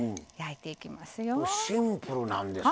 シンプルなんですね。